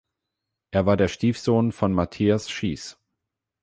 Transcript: Er war der Stiefsohn von Matthias Schiess.